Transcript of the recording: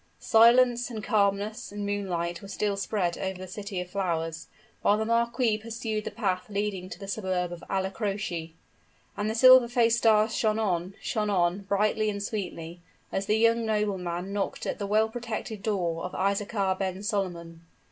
Silence, and calmness, and moonlight were still spread over the City of Flowers, while the marquis pursued the path leading to the suburb of Alla Droce. And the silver faced stars shone on shone on, brightly and sweetly, as the young nobleman knocked at the well protected door of Isaachar ben Solomon.